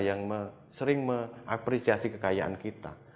yang sering mengapresiasi kekayaan kita